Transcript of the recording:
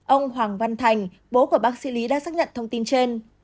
ông hoàng văn thành bố của bác sĩ lý đã xác nhận thông tin trên